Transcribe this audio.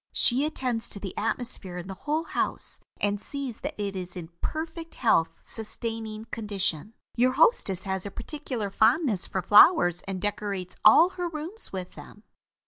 She attends to the atmosphere in the whole house, and sees that it is in perfect health sustaining condition. Your hostess has a particular fondness for flowers and decorates all her rooms with them.